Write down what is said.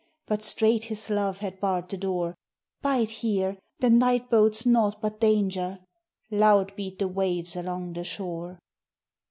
But straight his love had barred the door: 'Bide here; the night bodes naught but danger.' Loud beat the waves along the shore.